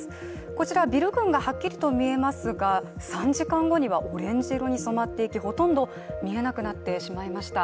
こちらビル群がはっきりと見えますが３時間後にはオレンジ色に染まっていきほとんど見えなくなってしまいました。